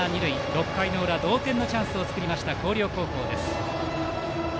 ６回の裏、同点のチャンスを作りました、広陵高校。